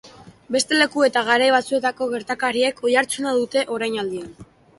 Beste leku eta garai batzuetako gertakariek oihartzuna dute orainaldian.